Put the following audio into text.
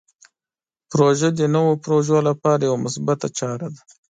پروژه د نوو پروژو لپاره یوه مثبته چاره ده.